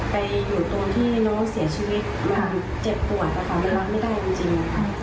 ไปอยู่ตรงที่น้องเสียชีวิตอย่างเจ็บปวดแต่ความทรงจำไม่ได้จริง